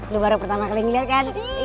lo baru pertama kali ngeliat kan